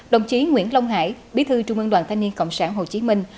đồng chí nguyễn long hải bí thư trung ương đoàn thanh niên cộng sản hồ chí minh